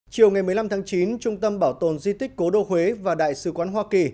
chiều ngày một mươi năm tháng chín trung tâm bảo tồn di tích cố đô huế và đại sứ quán hoa kỳ